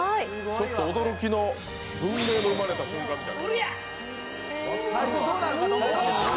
ちょっと驚きの文明の生まれた瞬間みたいな。